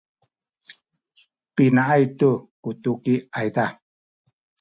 pinaay tu ku tuki ayza?